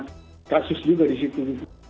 banyak kasus juga disitu